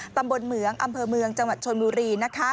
เมืองเหมืองอำเภอเมืองจังหวัดชนบุรี